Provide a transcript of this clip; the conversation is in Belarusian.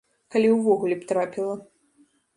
Калі увогуле б трапіла.